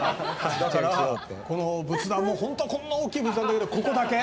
だから、この仏壇も本当は、こんな大きい仏壇だけどここだけ。